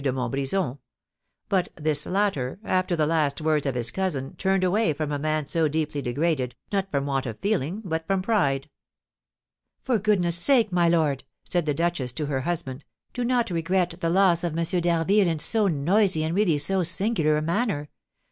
de Montbrison; but this latter, after the last words of his cousin, turned away from a man so deeply degraded, not from want of feeling, but from pride. "For goodness' sake, my lord," said the duchess to her husband, "do not regret the loss of M. d'Harville in so noisy and really so singular a manner.